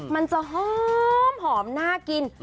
มันจะหอมน่ากิน